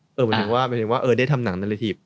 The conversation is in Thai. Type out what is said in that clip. เหมือนกันว่าเออได้ทำหนังนาฬิทีบ